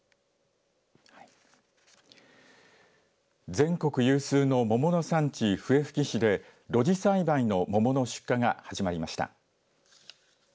全国有数の桃の産地、笛吹市で露地栽培の桃の出荷が始まりました。